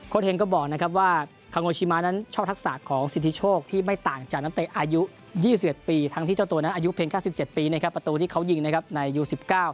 โค้ชเฮงก็บอกว่าคาโงชิมะนั้นชอบทักษะของสิทธิโชคที่ไม่ต่างจากน้ำเตะอายุ๒๑ปีทั้งที่เจ้าตัวนั้นอายุเพ็ญ๙๗ปีในประตูที่เขายิงในอายุ๑๙